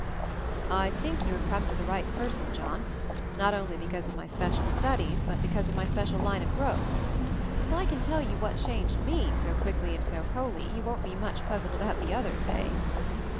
"I think you have come to the right per son, John; not only because of my special studies, but because of my special line of MOVING THE MOUNTAIN 241 growth. If I can tell you what changed me, so quickly and so wholly, you won't be much puzzled about the others, eh?"